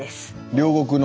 両国の。